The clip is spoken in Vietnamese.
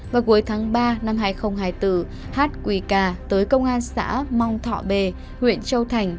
vào cuối tháng ba năm hai nghìn hai mươi bốn hát quỳ cà tới công an xã mong thọ b huyện châu thành